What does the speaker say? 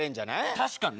確かにね。